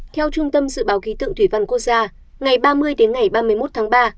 theo trung tâm dự báo khí tượng thủy văn quốc gia ngày ba mươi đến ngày ba mươi một tháng ba